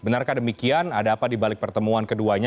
benarkah demikian ada apa di balik pertemuan keduanya